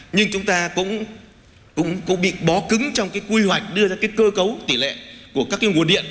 nhưng chúng ta cũng bị bó cứng trong cái quy hoạch đưa ra cái cơ cấu tỷ lệ của các cái nguồn điện